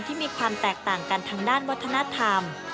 ที่มีความแตกต่างกันทางด้านวัฒนธรรม